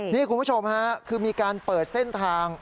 นี่คุณผู้ชมฮะคือมีการเปิดเส้นทาง